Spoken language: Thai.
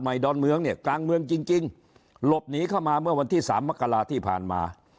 ดอนเมืองเนี่ยกลางเมืองจริงจริงหลบหนีเข้ามาเมื่อวันที่สามมกราที่ผ่านมา